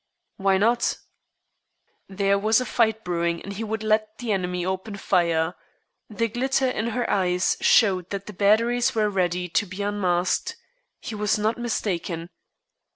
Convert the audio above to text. "Why not?" There was a fight brewing, and he would let the enemy open fire. The glitter in her eyes showed that the batteries were ready to be unmasked. He was not mistaken.